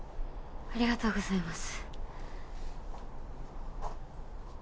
ありがとうございます。